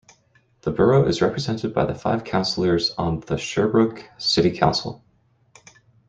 The borough is represented by five councillors on the Sherbrooke City Council.